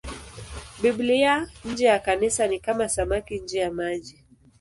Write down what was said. Biblia nje ya Kanisa ni kama samaki nje ya maji.